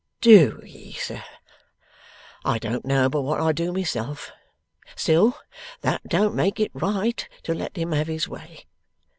'DO ye, sir? I don't know but what I do myself. Still that don't make it right to let him have his way.